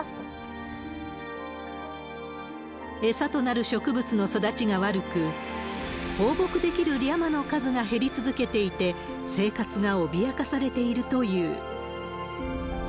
餌となる植物の育ちが悪く、放牧できるリャマの数が減り続けていて、生活が脅かされているという。